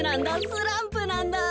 スランプなんだ。